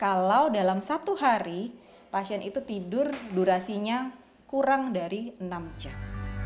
kalau dalam satu hari pasien itu tidur durasinya kurang dari enam jam